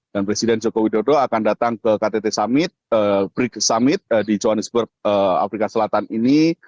dan presiden jokowi dodo akan datang ke ktt summit bridge summit di johannesburg afrika selatan ini